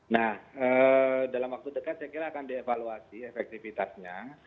nah dalam waktu dekat saya kira akan dievaluasi efektivitasnya